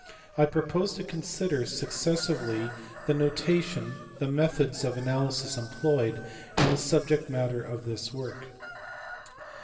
I propose to consider successively the notation, the methods of analysis employed, and the subject matter of this work.